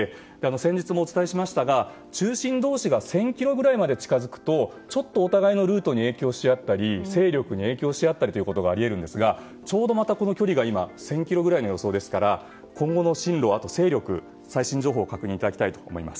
先日もお伝えしましたが中心同士が１０００ｋｍぐらいまで近づくとちょっとお互いのルートに影響し合ったり勢力に影響し合ったりということが、あり得るんですがちょうどまたこの距離が１０００ｋｍぐらいの予想ですから今後の進路と勢力、最新情報を確認いただきたいと思います。